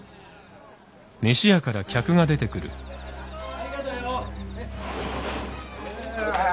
・ありがとよ。